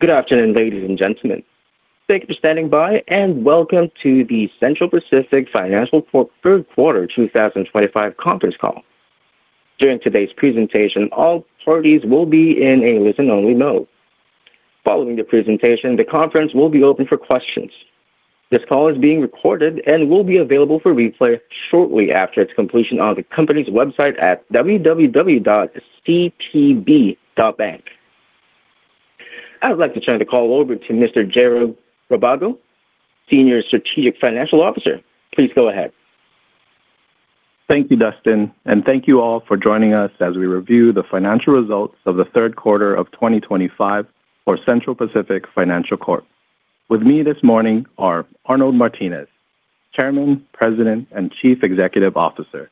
Good afternoon, ladies and gentlemen. Thank you for standing by and welcome to the Central Pacific Financial Corp. third quarter 2025 conference call. During today's presentation, all parties will be in a listen-only mode. Following the presentation, the conference will be open for questions. This call is being recorded and will be available for replay shortly after its completion on the company's website at www.cpb.bank. I would like to turn the call over to Mr. Jeroen Rabago, Senior Strategic Financial Officer. Please go ahead. Thank you, Dustin, and thank you all for joining us as we review the financial results of the third quarter of 2025 for Central Pacific Financial Corp. With me this morning are Arnold Martines, Chairman, President and Chief Executive Officer;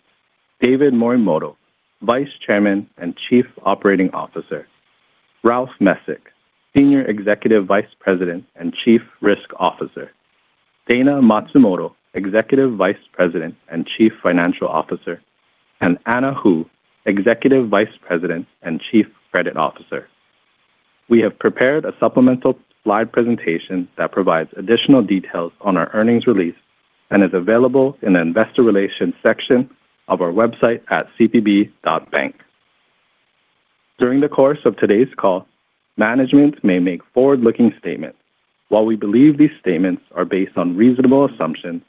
David Morimoto, Vice Chairman and Chief Operating Officer; Ralph Mesick, Senior Executive Vice President and Chief Risk Officer; Dayna Matsumoto, Executive Vice President and Chief Financial Officer; and Anna Hu, Executive Vice President and Chief Credit Officer. We have prepared a supplemental slide presentation that provides additional details on our earnings release and is available in the Investor Relations section of our website at cpb.bank. During the course of today's call, management may make forward-looking statements. While we believe these statements are based on reasonable assumptions,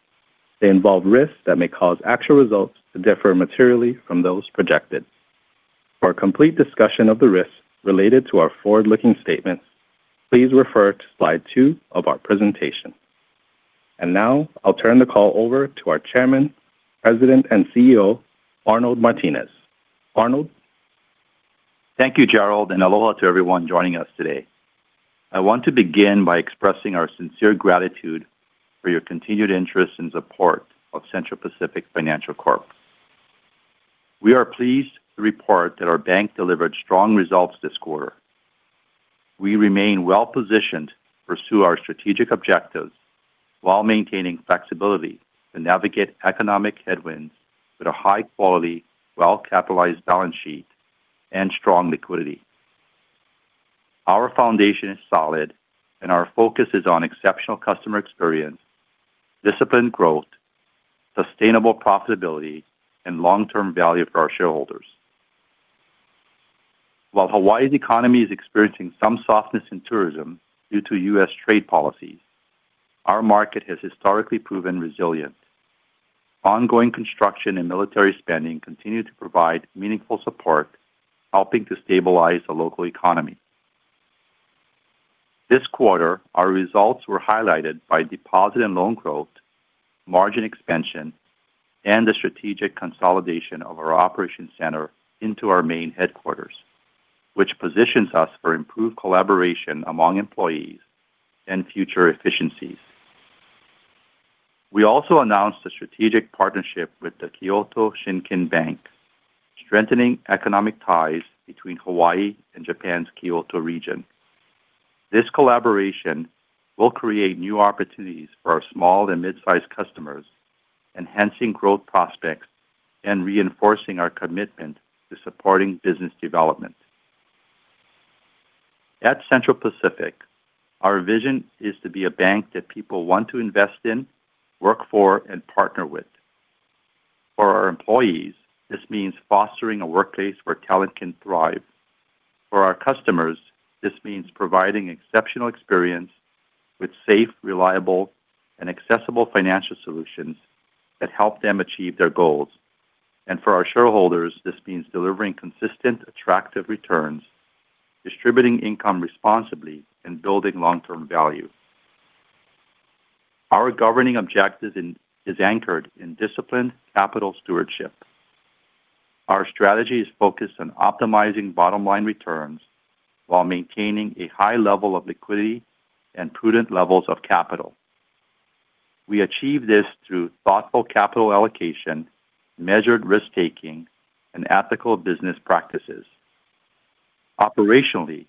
they involve risks that may cause actual results to differ materially from those projected. For a complete discussion of the risks related to our forward-looking statements, please refer to slide 2 of our presentation. I'll turn the call over to our Chairman, President, and CEO, Arnold Martines. Arnold? Thank you, Jeroen, and aloha to everyone joining us today. I want to begin by expressing our sincere gratitude for your continued interest and support of Central Pacific Financial Corp. We are pleased to report that our bank delivered strong results this quarter. We remain well-positioned to pursue our strategic objectives while maintaining flexibility to navigate economic headwinds with a high-quality, well-capitalized balance sheet and strong liquidity. Our foundation is solid, and our focus is on exceptional customer experience, disciplined growth, sustainable profitability, and long-term value for our shareholders. While Hawaii's economy is experiencing some softness in tourism due to U.S. trade policies, our market has historically proven resilient. Ongoing construction and military spending continue to provide meaningful support, helping to stabilize the local economy. This quarter, our results were highlighted by deposit and loan growth, margin expansion, and the strategic consolidation of our operations center into our main headquarters, which positions us for improved collaboration among employees and future efficiencies. We also announced a strategic partnership with the Kyoto Shinkin Bank, strengthening economic ties between Hawaii and Japan's Kyoto region. This collaboration will create new opportunities for our small and mid-sized customers, enhancing growth prospects and reinforcing our commitment to supporting business development. At Central Pacific, our vision is to be a bank that people want to invest in, work for, and partner with. For our employees, this means fostering a workplace where talent can thrive. For our customers, this means providing exceptional experience with safe, reliable, and accessible financial solutions that help them achieve their goals. For our shareholders, this means delivering consistent, attractive returns, distributing income responsibly, and building long-term value. Our governing objective is anchored in disciplined capital stewardship. Our strategy is focused on optimizing bottom-line returns while maintaining a high level of liquidity and prudent levels of capital. We achieve this through thoughtful capital allocation, measured risk-taking, and ethical business practices. Operationally,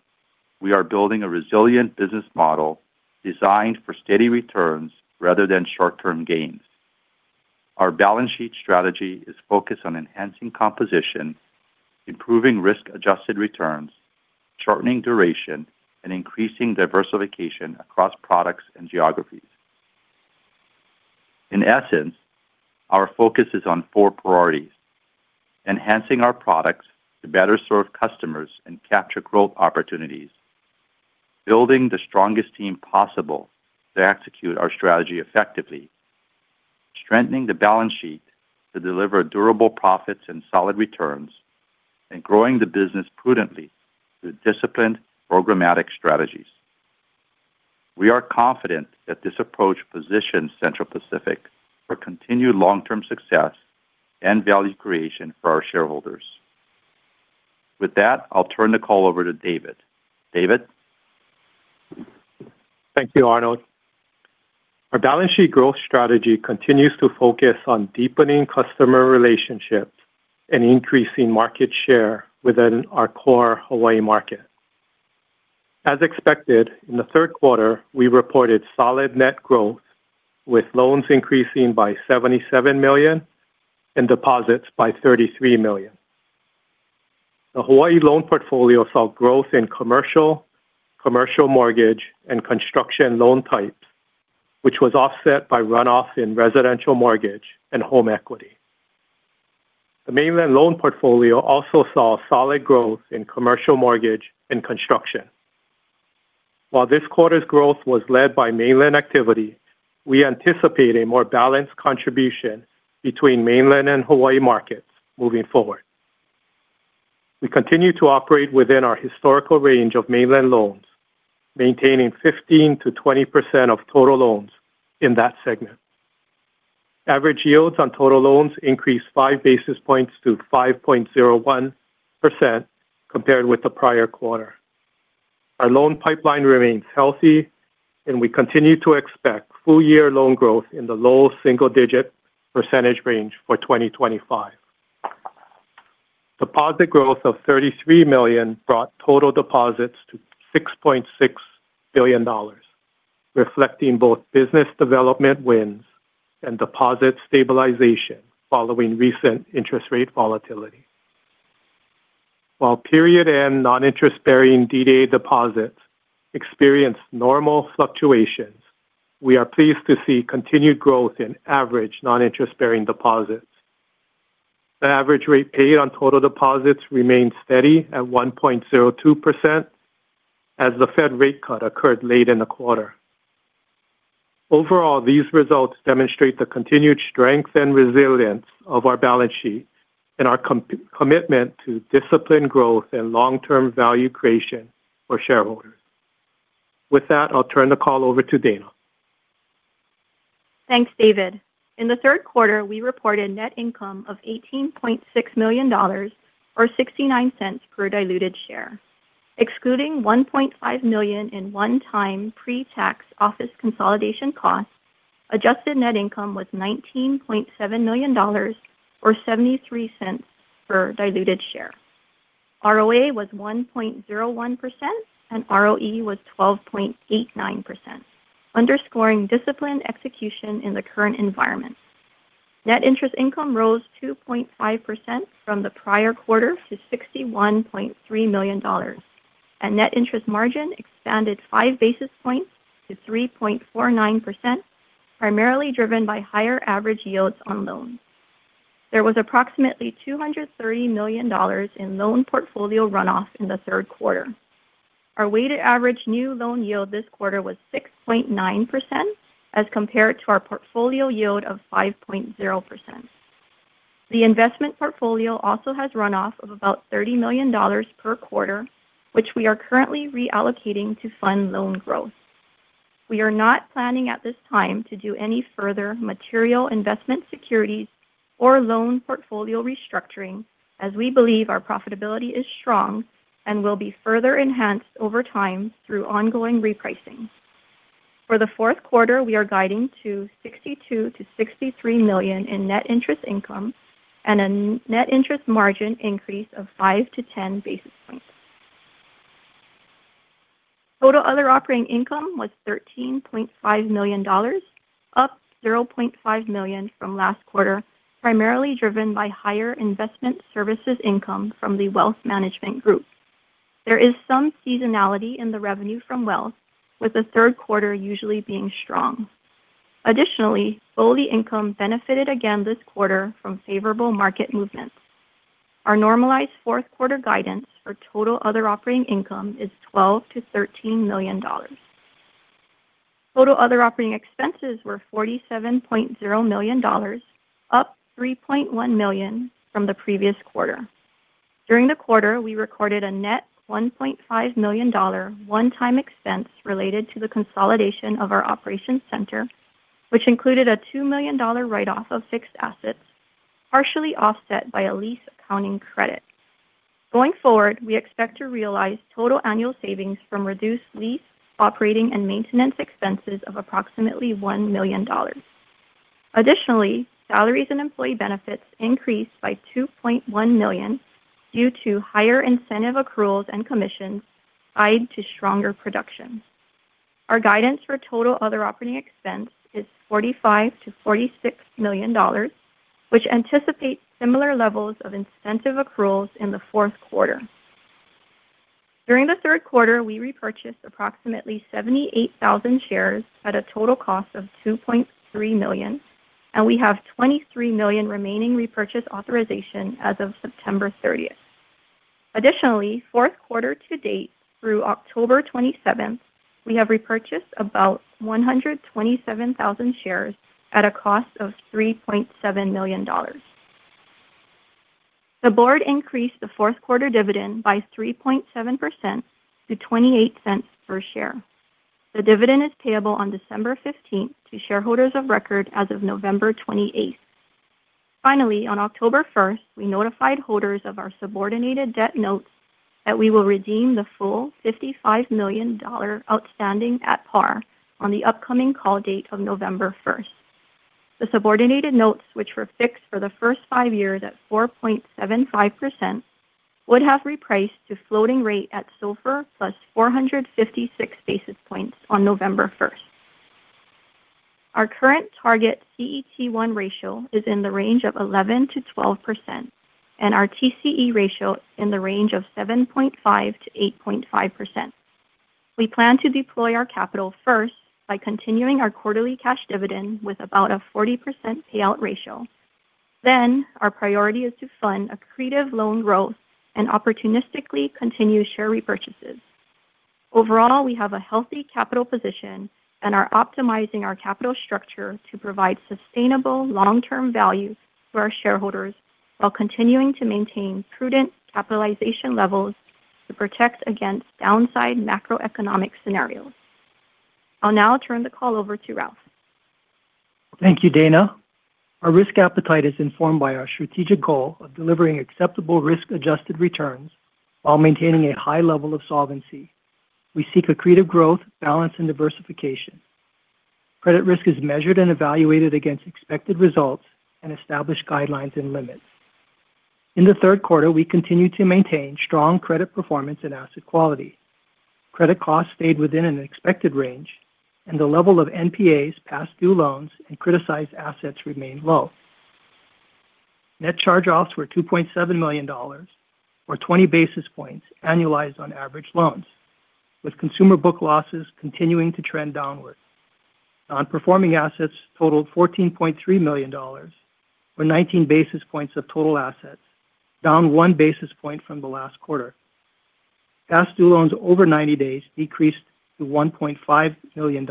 we are building a resilient business model designed for steady returns rather than short-term gains. Our balance sheet strategy is focused on enhancing composition, improving risk-adjusted returns, shortening duration, and increasing diversification across products and geographies. In essence, our focus is on four priorities: enhancing our products to better serve customers and capture growth opportunities, building the strongest team possible to execute our strategy effectively, strengthening the balance sheet to deliver durable profits and solid returns, and growing the business prudently through disciplined, programmatic strategies. We are confident that this approach positions Central Pacific for continued long-term success and value creation for our shareholders. With that, I'll turn the call over to David. David? Thank you, Arnold. Our balance sheet growth strategy continues to focus on deepening customer relationships and increasing market share within our core Hawaii market. As expected, in the third quarter, we reported solid net growth, with loans increasing by $77 million and deposits by $33 million. The Hawaii loan portfolio saw growth in commercial, commercial mortgage, and construction loan types, which was offset by runoff in residential mortgage and home equity. The mainland loan portfolio also saw solid growth in commercial mortgage and construction. While this quarter's growth was led by mainland activity, we anticipate a more balanced contribution between mainland and Hawaii markets moving forward. We continue to operate within our historical range of mainland loans, maintaining 15%-20% of total loans in that segment. Average yields on total loans increased 5 basis points to 5.01% compared with the prior quarter. Our loan pipeline remains healthy, and we continue to expect full-year loan growth in the low single-digit percentage range for 2025. Deposit growth of $33 million brought total deposits to $6.6 billion, reflecting both business development wins and deposit stabilization following recent interest rate volatility. While period and non-interest-bearing DDA deposits experienced normal fluctuations, we are pleased to see continued growth in average non-interest-bearing deposits. The average rate paid on total deposits remains steady at 1.02%, as the Fed rate cut occurred late in the quarter. Overall, these results demonstrate the continued strength and resilience of our balance sheet and our commitment to disciplined growth and long-term value creation for shareholders. With that, I'll turn the call over to Dayna. Thanks, David. In the third quarter, we reported net income of $18.6 million or $0.69 per diluted share. Excluding $1.5 million in one-time pre-tax office consolidation costs, adjusted net income was $19.7 million or $0.73 per diluted share. ROA was 1.01%, and ROE was 12.89%, underscoring disciplined execution in the current environment. Net interest income rose 2.5% from the prior quarter to $61.3 million, and net interest margin expanded 5 basis points to 3.49%, primarily driven by higher average yields on loans. There was approximately $230 million in loan portfolio runoff in the third quarter. Our weighted average new loan yield this quarter was 6.9%, as compared to our portfolio yield of 5.0%. The investment portfolio also has runoff of about $30 million per quarter, which we are currently reallocating to fund loan growth. We are not planning at this time to do any further material investment securities or loan portfolio restructuring, as we believe our profitability is strong and will be further enhanced over time through ongoing repricing. For the fourth quarter, we are guiding to $62 million-$63 million in net interest income and a net interest margin increase of 5 basis points-10 basis points. Total other operating income was $13.5 million, up $0.5 million from last quarter, primarily driven by higher investment services income from the Wealth Management Group. There is some seasonality in the revenue from wealth, with the third quarter usually being strong. Additionally, Foley Income benefited again this quarter from favorable market movements. Our normalized fourth quarter guidance for total other operating income is $12 million-$13 million. Total other operating expenses were $47.0 million, up $3.1 million from the previous quarter. During the quarter, we recorded a net $1.5 million one-time expense related to the consolidation of our operations center, which included a $2 million write-off of fixed assets, partially offset by a lease accounting credit. Going forward, we expect to realize total annual savings from reduced lease, operating, and maintenance expenses of approximately $1 million. Additionally, salaries and employee benefits increased by $2.1 million due to higher incentive accruals and commissions tied to stronger production. Our guidance for total other operating expense is $45 million-$46 million, which anticipates similar levels of incentive accruals in the fourth quarter. During the third quarter, we repurchased approximately 78,000 shares at a total cost of $2.3 million, and we have $23 million remaining repurchase authorization as of September 30. Additionally, fourth quarter to date, through October 27, we have repurchased about 127,000 shares at a cost of $3.7 million. The board increased the fourth quarter dividend by 3.7% to $0.28 per share. The dividend is payable on December 15 to shareholders of record as of November 28. Finally, on October 1, we notified holders of our subordinated debt notes that we will redeem the full $55 million outstanding at par on the upcoming call date of November 1. The subordinated notes, which were fixed for the first five years at 4.75%, would have repriced to floating rate at SOFR +456 basis points on November 1. Our current target CET1 ratio is in the range of 11%-12%, and our TCE ratio is in the range of 7.5%-8.5%. We plan to deploy our capital first by continuing our quarterly cash dividend with about a 40% payout ratio. Our priority is to fund accretive loan growth and opportunistically continue share repurchases. Overall, we have a healthy capital position and are optimizing our capital structure to provide sustainable long-term value to our shareholders while continuing to maintain prudent capitalization levels to protect against downside macroeconomic scenarios. I'll now turn the call over to Ralph. Thank you, Dayna. Our risk appetite is informed by our strategic goal of delivering acceptable risk-adjusted returns while maintaining a high level of solvency. We seek accretive growth, balance, and diversification. Credit risk is measured and evaluated against expected results and established guidelines and limits. In the third quarter, we continue to maintain strong credit performance and asset quality. Credit costs fade within an expected range, and the level of NPAs, past-due loans, and criticized assets remain low. Net charge-offs were $2.7 million, or 20 basis points annualized on average loans, with consumer book losses continuing to trend downward. Non-performing assets totaled $14.3 million, or 19 basis points of total assets, down one basis point from the last quarter. Past-due loans over 90 days decreased to $1.5 million,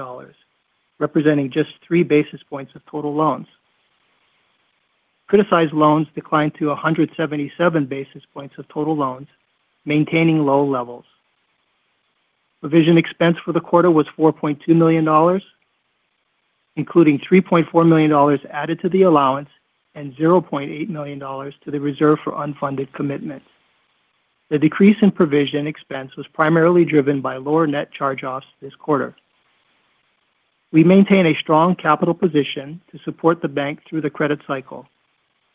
representing just 3 basis points of total loans. Criticized loans declined to 177 basis points of total loans, maintaining low levels. Provision expense for the quarter was $4.2 million, including $3.4 million added to the allowance and $0.8 million to the reserve for unfunded commitments. The decrease in provision expense was primarily driven by lower net charge-offs this quarter. We maintain a strong capital position to support the bank through the credit cycle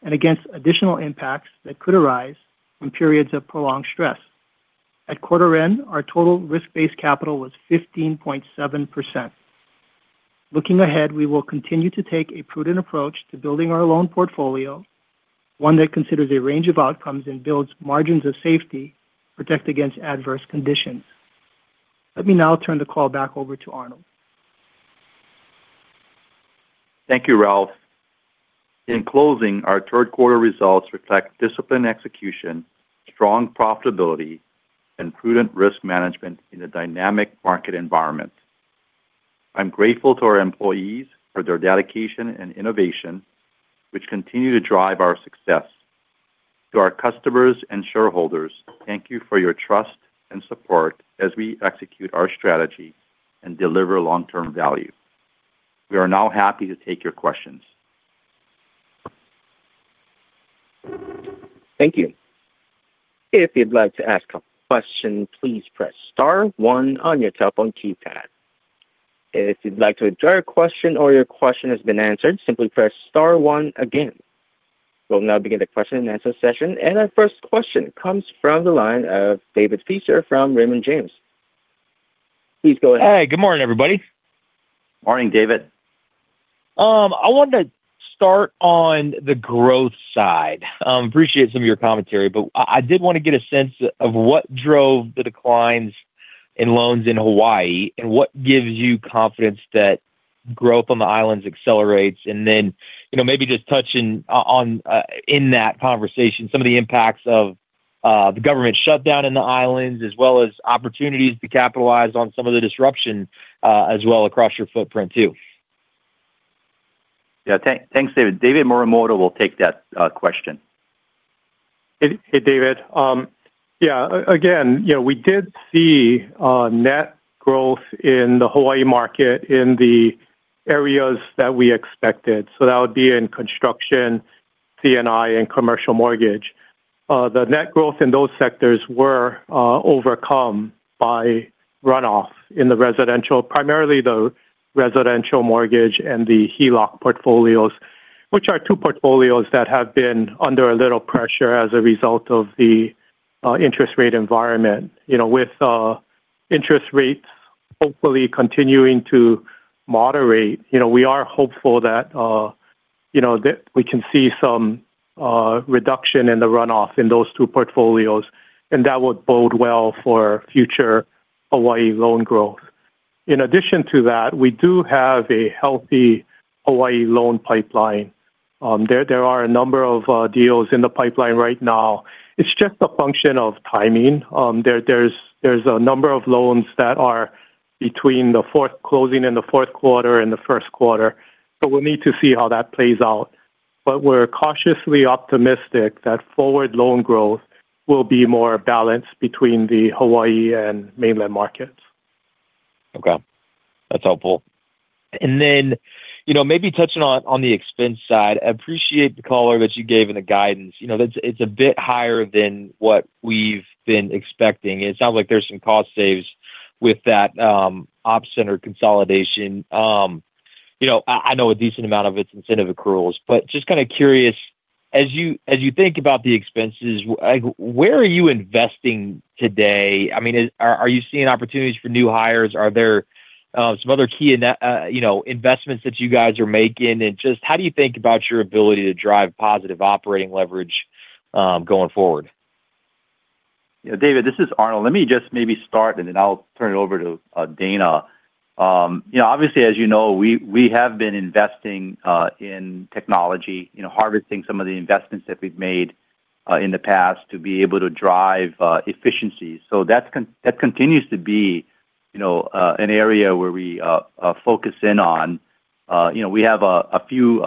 and against additional impacts that could arise from periods of prolonged stress. At quarter end, our total risk-based capital was 15.7%. Looking ahead, we will continue to take a prudent approach to building our loan portfolio, one that considers a range of outcomes and builds margins of safety to protect against adverse conditions. Let me now turn the call back over to Arnold. Thank you, Ralph. In closing, our third-quarter results reflect disciplined execution, strong profitability, and prudent risk management in a dynamic market environment. I'm grateful to our employees for their dedication and innovation, which continue to drive our success. To our customers and shareholders, thank you for your trust and support as we execute our strategy and deliver long-term value. We are now happy to take your questions. Thank you. If you'd like to ask a question, please press star one on your telephone keypad. If you'd like to draft a question or your question has been answered, simply press star one again. We'll now begin the question and answer session, and our first question comes from the line of David Feaster from Raymond James. Please go ahead. Hey, good morning, everybody. Morning, David. I want to start on the growth side. Appreciate some of your commentary, but I did want to get a sense of what drove the declines in loans in Hawaii and what gives you confidence that growth on the islands accelerates. Maybe just touching on in that conversation some of the impacts of the government shutdown in the islands, as well as opportunities to capitalize on some of the disruption as well across your footprint too. Yeah, thanks, David. David Morimoto will take that question. Hey, David. Yeah, again, you know, we did see net growth in the Hawaii market in the areas that we expected. That would be in construction, commercial and industrial loans, and commercial mortgage. The net growth in those sectors was overcome by runoff in the residential, primarily the residential mortgage and the home equity line of credit portfolios, which are two portfolios that have been under a little pressure as a result of the interest rate environment. You know, with interest rates hopefully continuing to moderate, we are hopeful that we can see some reduction in the runoff in those two portfolios, and that would bode well for future Hawaii loan growth. In addition to that, we do have a healthy Hawaii loan pipeline. There are a number of deals in the pipeline right now. It's just a function of timing. There's a number of loans that are between the closing in the fourth quarter and the first quarter, so we'll need to see how that plays out. We're cautiously optimistic that forward loan growth will be more balanced between the Hawaii and mainland markets. Okay, that's helpful. Maybe touching on the expense side, I appreciate the call that you gave and the guidance. It's a bit higher than what we've been expecting. It sounds like there's some cost saves with that ops center consolidation. I know a decent amount of it's incentive accruals, but just kind of curious, as you think about the expenses, where are you investing today? I mean, are you seeing opportunities for new hires? Are there some other key investments that you guys are making? How do you think about your ability to drive positive operating leverage going forward? Yeah, David, this is Arnold. Let me just maybe start, and then I'll turn it over to Dayna. Obviously, as you know, we have been investing in technology, harvesting some of the investments that we've made in the past to be able to drive efficiency. That continues to be an area where we focus in on. We have a few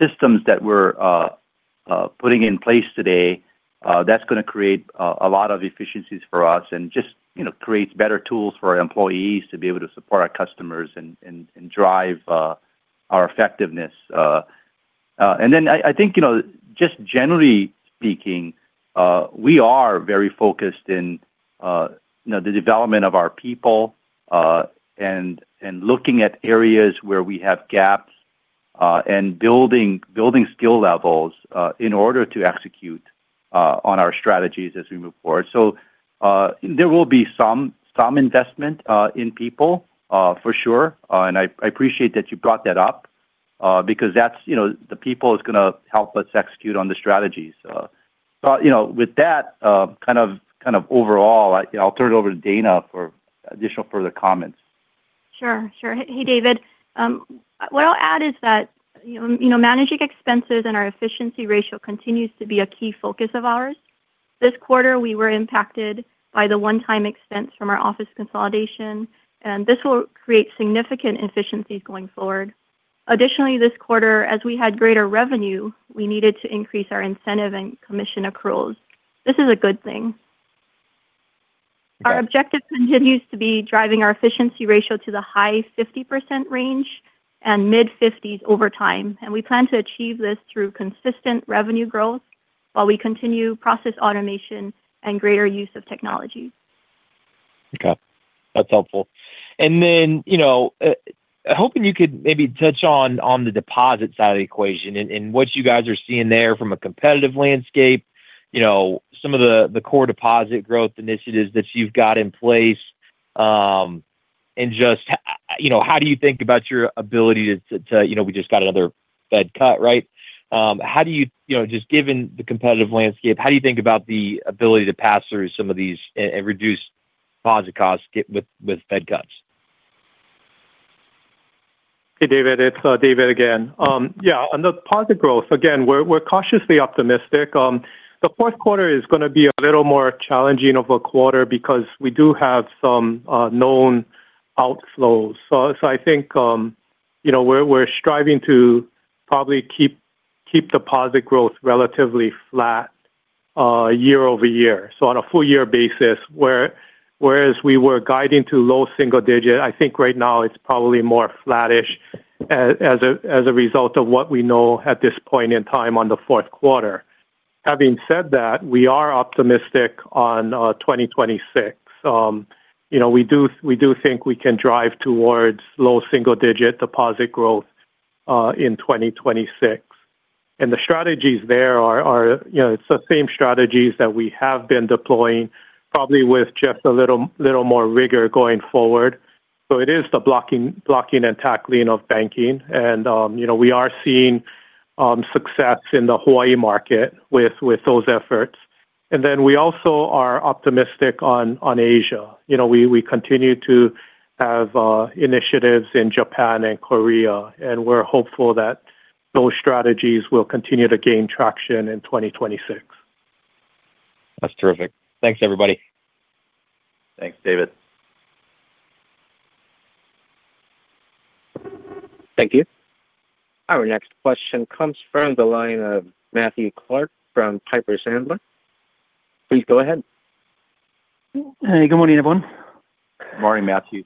systems that we're putting in place today that's going to create a lot of efficiencies for us and just create better tools for our employees to be able to support our customers and drive our effectiveness. I think, generally speaking, we are very focused in the development of our people and looking at areas where we have gaps and building skill levels in order to execute on our strategies as we move forward. There will be some investment in people for sure, and I appreciate that you brought that up because the people are going to help us execute on the strategies. With that overall, I'll turn it over to Dayna for additional further comments. Sure, sure. Hey, David. What I'll add is that, you know, managing expenses and our efficiency ratio continues to be a key focus of ours. This quarter, we were impacted by the one-time expense from our office consolidation, and this will create significant efficiencies going forward. Additionally, this quarter, as we had greater revenue, we needed to increase our incentive and commission accruals. This is a good thing. Our objective continues to be driving our efficiency ratio to the high 50% range and mid-50% over time, and we plan to achieve this through consistent revenue growth while we continue process automation and greater use of technology. Okay, that's helpful. I'm hoping you could maybe touch on the deposit side of the equation and what you guys are seeing there from a competitive landscape, some of the core deposit growth initiatives that you've got in place. How do you think about your ability to, you know, we just got another Fed cut, right? Given the competitive landscape, how do you think about the ability to pass through some of these and reduce deposit costs with Fed cuts? Hey, David. It's David again. On the deposit growth, we're cautiously optimistic. The fourth quarter is going to be a little more challenging of a quarter because we do have some known outflows. I think we're striving to probably keep deposit growth relatively flat year over year on a full-year basis. Whereas we were guiding to low single digit, I think right now it's probably more flattish as a result of what we know at this point in time on the fourth quarter. Having said that, we are optimistic on 2026. We do think we can drive towards low single-digit deposit growth in 2026. The strategies there are the same strategies that we have been deploying, probably with just a little more rigor going forward. It is the blocking and tackling of banking. We are seeing success in the Hawaii market with those efforts. We also are optimistic on Asia. We continue to have initiatives in Japan and Korea, and we're hopeful that those strategies will continue to gain traction in 2026. That's terrific. Thanks, everybody. Thanks, David. Thank you. Our next question comes from the line of Matthew Clark from Piper Sandler. Please go ahead. Hey, good morning, everyone. Good morning, Matthew.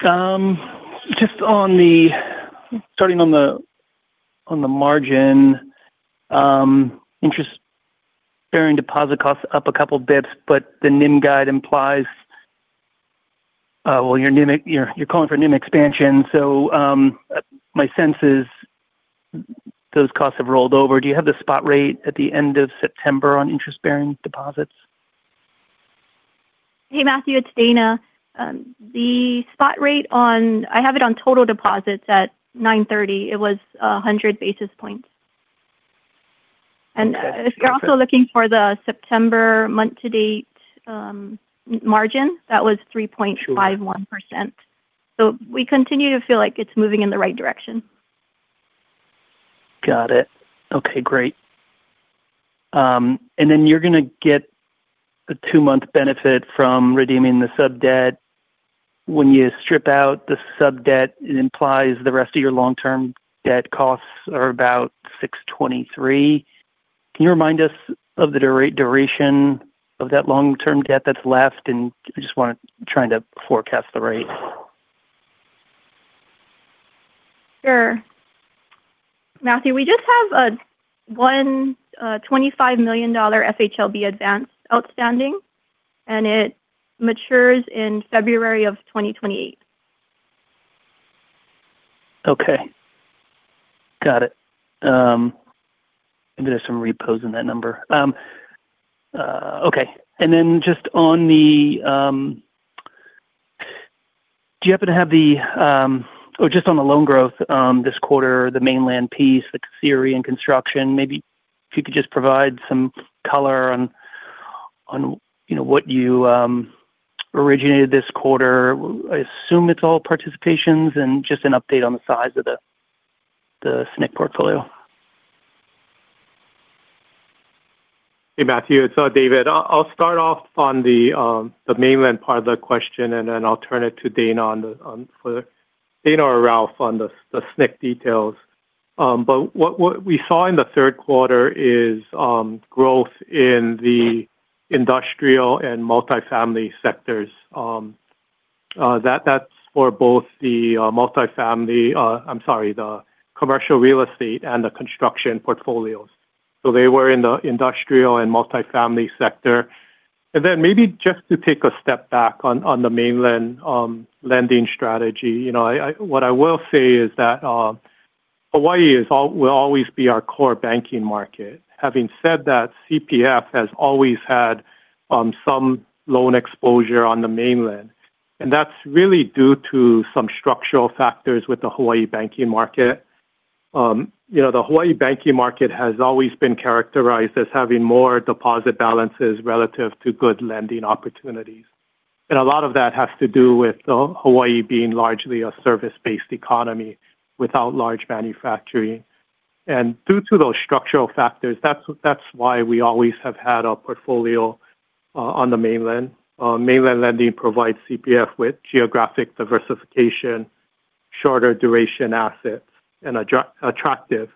Just on the starting on the margin, interest-bearing deposit costs up a couple of bps, but the NIM guide implies you're calling for NIM expansion. My sense is those costs have rolled over. Do you have the spot rate at the end of September on interest-bearing deposits? Hey, Matthew. It's Dayna. The spot rate on, I have it on total deposits at 9/30. It was 100 basis points. If you're also looking for the September month-to-date margin, that was 3.51%. We continue to feel like it's moving in the right direction. Got it. Okay, great. You're going to get a two-month benefit from redeeming the sub-debt. When you strip out the sub-debt, it implies the rest of your long-term debt costs are about $623. Can you remind us of the duration of that long-term debt that's left? I just want to try to forecast the rate. Sure. Matthew, we just have a $1.25 million FHLB advance outstanding, and it matures in February of 2028. Okay. Got it. There's some repos in that number. Okay. Just on the loan growth this quarter, the mainland piece, the commercial and industrial and construction, maybe if you could just provide some color on what you originated this quarter. I assume it's all participations and just an update on the size of the SNC portfolio. Hey, Matthew. It's David. I'll start off on the mainland part of the question, and then I'll turn it to Dayna or Ralph on the SNC details. What we saw in the third quarter is growth in the industrial and multifamily sectors. That's for both the commercial real estate and the construction portfolios. They were in the industrial and multifamily sector. Maybe just to take a step back on the mainland lending strategy, what I will say is that Hawaii will always be our core banking market. Having said that, CPF has always had some loan exposure on the mainland. That's really due to some structural factors with the Hawaii banking market. The Hawaii banking market has always been characterized as having more deposit balances relative to good lending opportunities. A lot of that has to do with Hawaii being largely a service-based economy without large manufacturing. Due to those structural factors, that's why we always have had a portfolio on the mainland. Mainland lending provides CPF. with geographic diversification, shorter duration assets, and attractive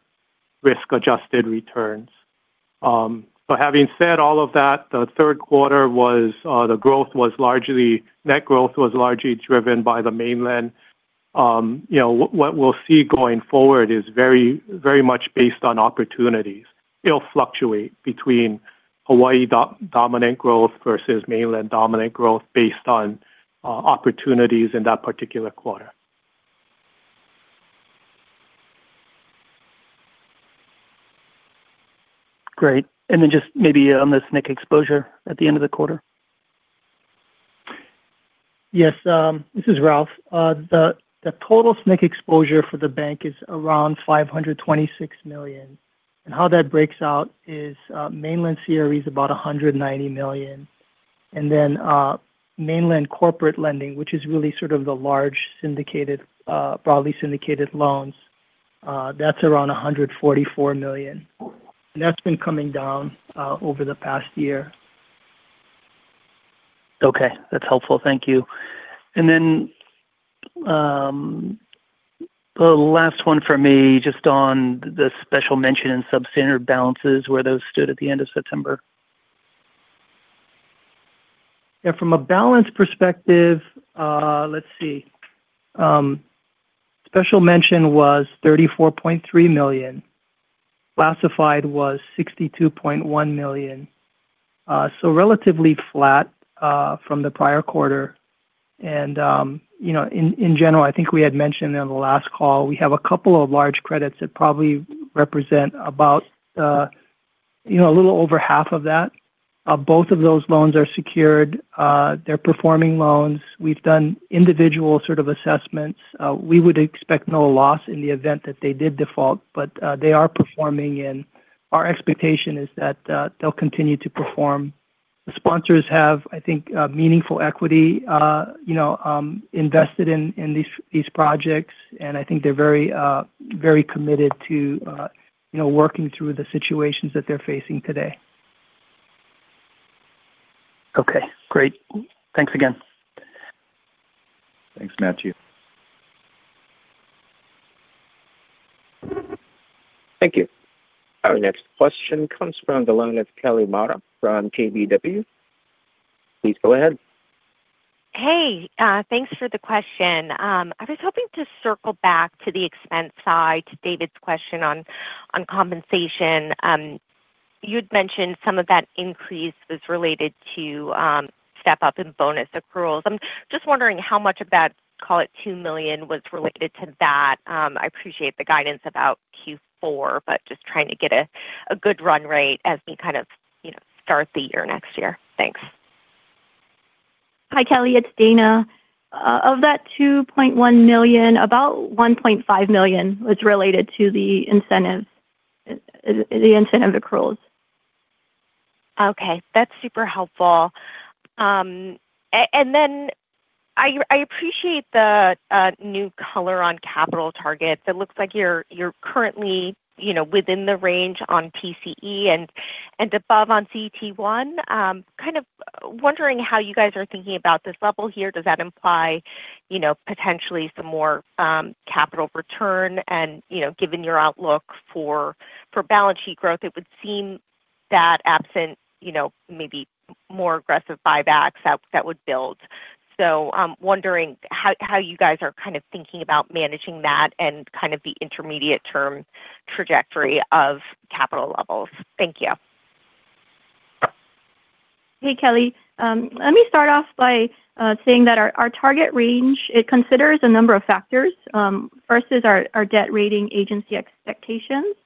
risk-adjusted returns. Having said all of that, the third quarter growth was largely, net growth was largely driven by the mainland. What we'll see going forward is very, very much based on opportunities. It'll fluctuate between Hawaii dominant growth versus mainland dominant growth based on opportunities in that particular quarter. Great. Just maybe on the SNC exposure at the end of the quarter? Yes, this is Ralph. The total SNC exposure for the bank is around $526 million. How that breaks out is mainland CRE is about $190 million. Mainland corporate lending, which is really sort of the large syndicated, broadly syndicated loans, is around $144 million. That's been coming down over the past year. Okay, that's helpful. Thank you. The last one for me, just on the special mention and substandard balances, where those stood at the end of September. Yeah, from a balance perspective, let's see. Special mention was $34.3 million. Classified was $62.1 million. Relatively flat from the prior quarter. In general, I think we had mentioned on the last call, we have a couple of large credits that probably represent a little over half of that. Both of those loans are secured. They're performing loans. We've done individual sort of assessments. We would expect no loss in the event that they did default, but they are performing. Our expectation is that they'll continue to perform. The sponsors have, I think, meaningful equity invested in these projects. I think they're very, very committed to working through the situations that they're facing today. Okay, great. Thanks again. Thanks, Matthew. Thank you. Our next question comes from the line of Kelly Motta from KBW. Please go ahead. Hey, thanks for the question. I was hoping to circle back to the expense side, to David's question on compensation. You had mentioned some of that increase was related to step-up and bonus accruals. I'm just wondering how much of that, call it $2 million, was related to that. I appreciate the guidance about Q4, just trying to get a good run rate as we kind of start the year next year. Thanks. Hi, Kelly. It's Dayna. Of that $2.1 million, about $1.5 million was related to the incentive accruals. Okay, that's super helpful. I appreciate the new color on capital targets. It looks like you're currently within the range on TCE and above on CET1. I'm kind of wondering how you guys are thinking about this level here. Does that imply potentially some more capital return? Given your outlook for balance sheet growth, it would seem that absent maybe more aggressive buybacks that would build. I'm wondering how you guys are kind of thinking about managing that and the intermediate-term trajectory of capital levels. Thank you. Hey, Kelly. Let me start off by saying that our target range considers a number of factors. First is our debt rating agency expectations.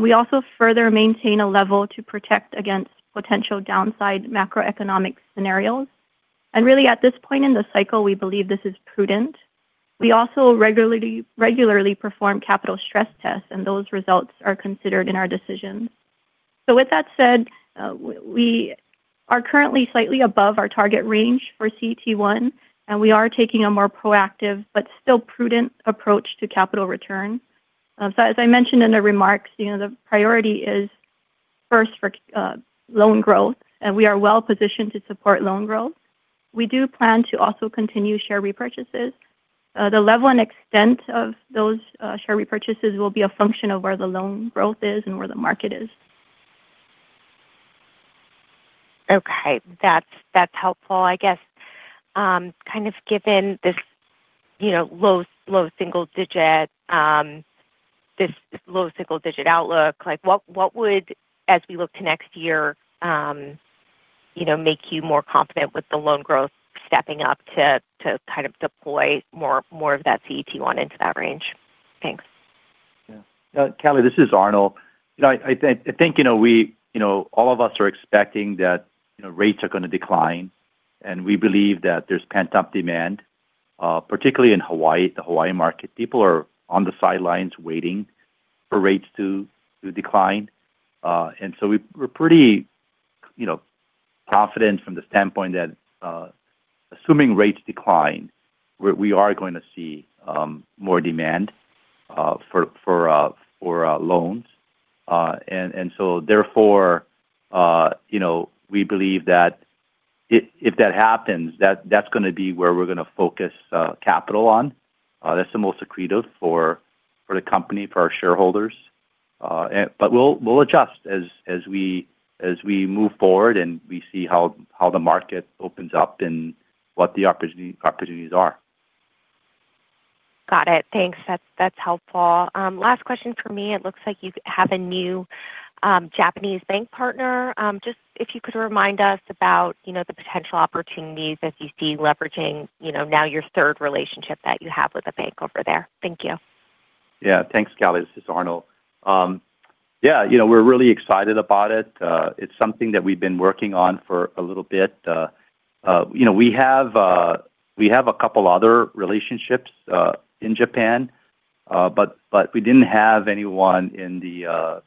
We also further maintain a level to protect against potential downside macroeconomic scenarios. At this point in the cycle, we believe this is prudent. We also regularly perform capital stress tests, and those results are considered in our decision. With that said, we are currently slightly above our target range for CET1, and we are taking a more proactive but still prudent approach to capital return. As I mentioned in the remarks, the priority is first for loan growth, and we are well positioned to support loan growth. We do plan to also continue share repurchases. The level and extent of those share repurchases will be a function of where the loan growth is and where the market is. Okay, that's helpful. I guess, kind of given this low single-digit outlook, what would, as we look to next year, make you more confident with the loan growth stepping up to kind of deploy more of that CET1 into that range? Thanks. Yeah, Kelly, this is Arnold. I think all of us are expecting that rates are going to decline, and we believe that there's pent-up demand, particularly in Hawaii, the Hawaii market. People are on the sidelines waiting for rates to decline. We're pretty confident from the standpoint that assuming rates decline, we are going to see more demand for loans. Therefore, we believe that if that happens, that's going to be where we're going to focus capital on. That's the most accretive for the company, for our shareholders. We'll adjust as we move forward and we see how the market opens up and what the opportunities are. Got it. Thanks. That's helpful. Last question for me. It looks like you have a new Japanese bank partner. If you could remind us about the potential opportunities that you see leveraging now your third relationship that you have with a bank over there. Thank you. Yeah, thanks, Kelly. This is Arnold. Yeah, we're really excited about it. It's something that we've been working on for a little bit. We have a couple of other relationships in Japan, but we didn't have anyone in the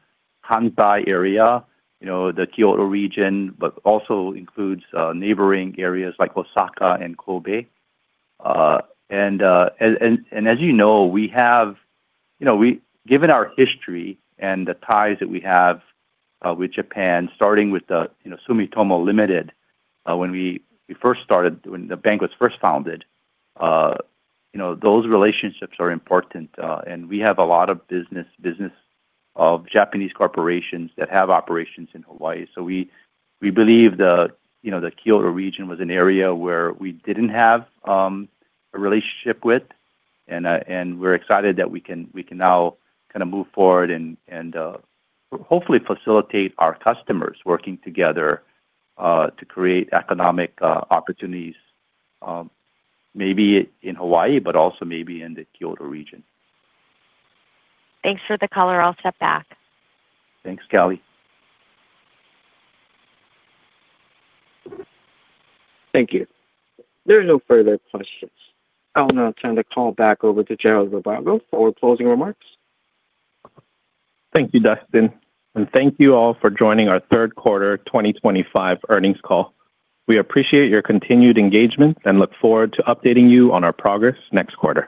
Kansai area, the Kyoto region, which also includes neighboring areas like Osaka and Kobe. As you know, given our history and the ties that we have with Japan, starting with Sumitomo Limited when the bank was first founded, those relationships are important. We have a lot of business of Japanese corporations that have operations in Hawaii. We believe the Kyoto region was an area where we didn't have a relationship. We're excited that we can now move forward and hopefully facilitate our customers working together to create economic opportunities, maybe in Hawaii, but also maybe in the Kyoto region. Thanks for the color. I'll step back. Thanks, Kelly. Thank you. There are no further questions. I'll now turn the call back over to Jeroen Rabago for closing remarks. Thank you, Dustin. Thank you all for joining our third quarter 2025 earnings call. We appreciate your continued engagement and look forward to updating you on our progress next quarter.